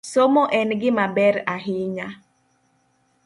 Somo en gima ber ahinya.